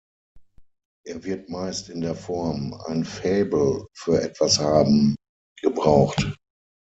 Er wird meist in der Form "ein Faible für etwas haben" gebraucht.